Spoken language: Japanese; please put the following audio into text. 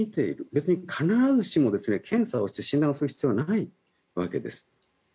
別に必ずしも検査をして診断する必要はないわけです。